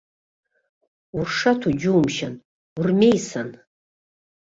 Уршаҭо џьумшьан, урмеисан!